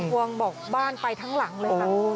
วงบอกบ้านไปทั้งหลังเลยค่ะ